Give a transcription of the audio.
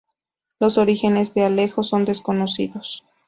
Los orígenes de Alejo son desconocidos.